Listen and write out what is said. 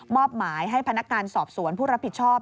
อบหมายให้พนักงานสอบสวนผู้รับผิดชอบ